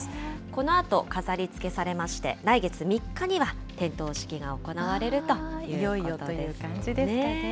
このあと飾りつけされまして、来月３日には点灯式が行われるといいよいよという感じですかね。